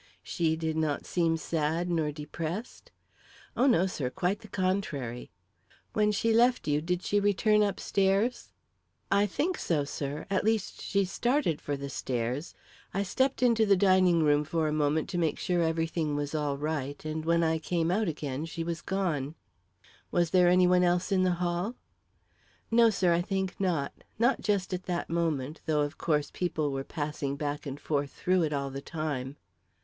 "She did not seem sad nor depressed?" "Oh, no, sir; quite the contrary." "When she left you, did she return upstairs?" "I think so, sir. At least, she started for the stairs. I stepped into the dining room for a moment to make sure everything was all right, and when I came out again she was gone." "Was there any one else in the hall?" "No, sir; I think not; not just at that moment, though of course people were passing back and forth through it all the time."